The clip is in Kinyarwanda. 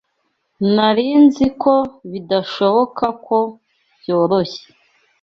Nari nzi ko bidashoboka ko byoroshye.